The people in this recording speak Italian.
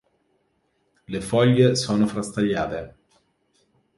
Le foglie sono frastagliate.